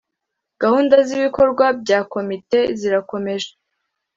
gahunda z ibikorwa bya komite zirakomeje